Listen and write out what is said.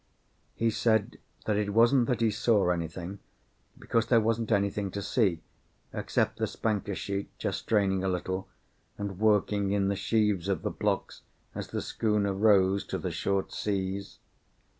He said that it wasn't that he saw anything, because there wasn't anything to see except the spanker sheet just straining a little, and working in the sheaves of the blocks as the schooner rose to the short seas.